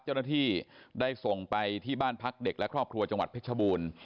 เจ้าหน้าที่ได้ส่งไปที่บ้านพักเด็กและครอบครัวจังหวัดเพชรบูรณ์